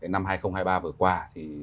năm hai nghìn hai mươi ba vừa qua thì